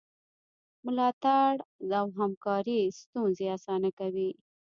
ملاتړ او همکاري ستونزې اسانه کوي.